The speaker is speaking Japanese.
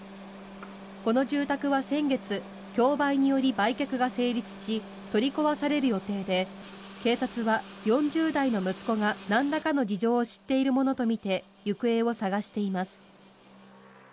この住宅は先月競売により売却が成立し取り壊される予定で警察は４０代の息子がなんらかの事情を知っているものとみて行方を捜しています。